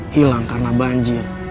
hilang karena banjir